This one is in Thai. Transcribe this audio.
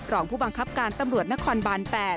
รองผู้บังคับการตำรวจนครบาน๘